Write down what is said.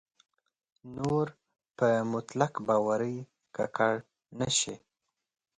نور په مطلق باورۍ ککړ نه شي.